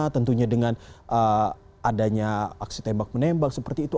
tentunya dengan adanya aksi tembak menembak seperti itu